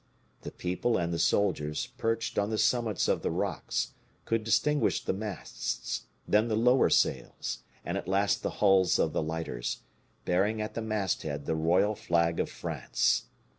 The people and the soldiers, perched on the summits of the rocks, could distinguish the masts, then the lower sails, and at last the hulls of the lighters, bearing at the masthead the royal flag of France.